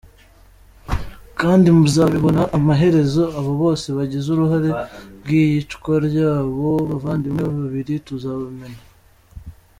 Kandi muzabibona amaherezo abo bose bagize uruhare mw’iyicwa ryabo bavandimwe babiri tuzabamena.”